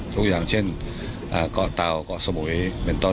อย่างเช่นเกาะเตาเกาะสมุยเป็นต้น